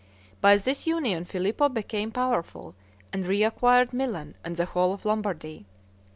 By this union Filippo became powerful, and reacquired Milan and the whole of Lombardy.